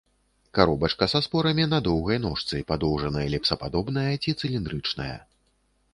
Каробачка са спорамі на доўгай ножцы, падоўжана-эліпсападобная ці цыліндрычная.